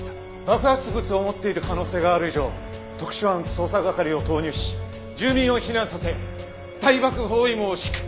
爆発物を持っている可能性がある以上特殊犯捜査係を投入し住民を避難させ対爆包囲網を敷く！